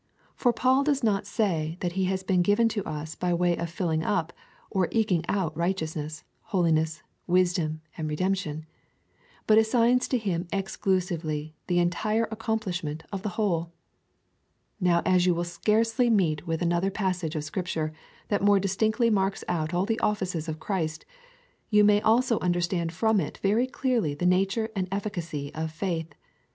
For Paul does not say that he has been given to us by way of filling up, or eking out righteousness, holiness, wisdom, and redemption, but assigns to him ex clusively the entire accomplishment of the whole. Now as you will scarcely meet with another passage of Scripture that more distinctly marks out all the offices of Christ, you may also understand from it very clearly the nature and efficacy of faith.